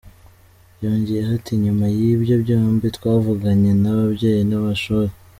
Yongeyeho ati “Nyuma y’ibyo byombi, twavuganye n’ababyeyi n’amashuri.